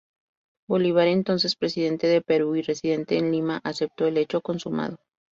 Bolívar, entonces presidente de Perú y residente en Lima, aceptó el hecho consumado.